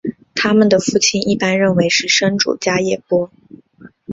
他们的父亲一般认为是生主迦叶波。